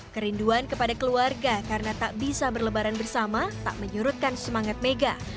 kerinduan kepada keluarga karena tak bisa berlebaran bersama tak menyurutkan semangat mega